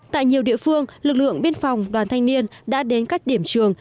tại nhiều địa phương lực lượng biên phòng đoàn thanh niên đã đến các điểm trường